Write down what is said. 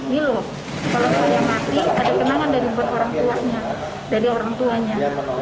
kalau saya mati ada kenangan dari orang tuanya